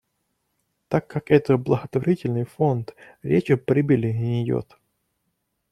Так как это благотворительный фонд, речь о прибыли не идёт.